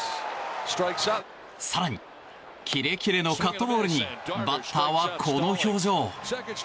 更に、キレキレのカットボールにバッターは、この表情。